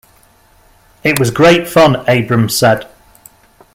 'It was great fun,' Abrams said.